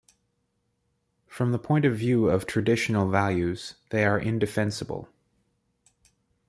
From the point of view of traditional values, they are indefensible.